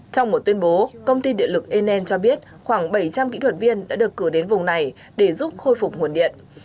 trong một tuyên bố công ty điện lực en cho biết khoảng bảy trăm linh kỹ thuật viên đã được cử đến vùng này để giúp khôi phục nguồn điện